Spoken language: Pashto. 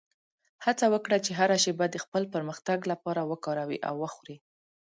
هڅه وکړه چې هره شېبه د خپل پرمختګ لپاره وکاروې او وخورې.